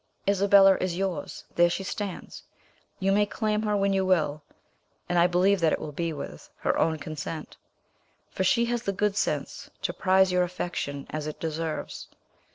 Isabella is yours; there she stands; you may claim her when you will, and I believe that it will be with her own consent, for she has the good sense to prize your affection as it deserves.